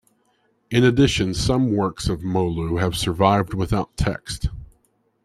In addition some works of Moulu have survived without text.